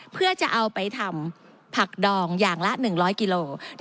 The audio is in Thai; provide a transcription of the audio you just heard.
เพื่อจะเอาไปทำผักดองอย่างละ๑๐๐กิโล